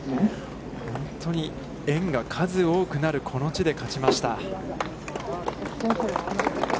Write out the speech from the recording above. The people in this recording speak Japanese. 本当に縁が数多くなる、この地で勝ちました。